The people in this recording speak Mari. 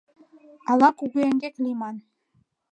Ала кугу эҥгек лийман!